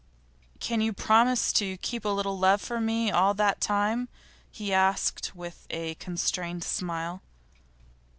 'Can you promise to keep a little love for me all that time?' he asked with a constrained smile.